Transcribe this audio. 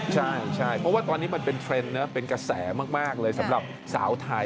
ใช่เพราะว่าตอนนี้มันเป็นเทรนด์นะเป็นกระแสมากเลยสำหรับสาวไทย